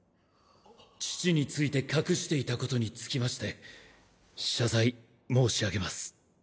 父について隠していたことにつきまして謝罪申し上げます。